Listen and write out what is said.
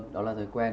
đó là thói quen